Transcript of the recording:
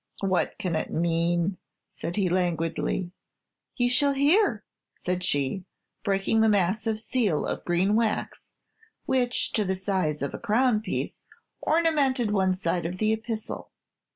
"What can it mean?" said he, languidly. "You shall hear," said she, breaking the massive seal of green wax, which, to the size of a crown piece, ornamented one side of the epistle.